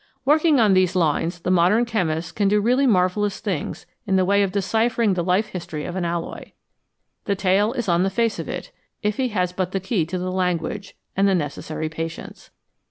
Working on these lines, the modern chemist can do really marvellous things in the way of deciphering the life history of an alloy. The tale is on the face of it, if he has but the key to the language, and the necessary patience.